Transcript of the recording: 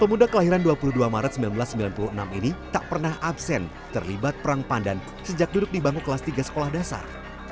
pemuda kelahiran dua puluh dua maret seribu sembilan ratus sembilan puluh enam ini tak pernah absen terlibat perang pandan sejak duduk di bangku kelas tiga sekolah dasar